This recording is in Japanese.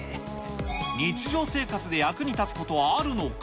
日常生活で役に立つことはあるのか？